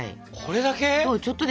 これだけ？